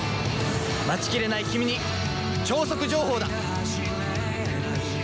待ちきれないキミに超速情報だ！